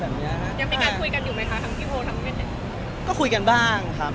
ยังมีการคุยกันอยู่ไหมคะทั้งพี่โพลทั้งแม่เน็ตก็คุยกันบ้างครับ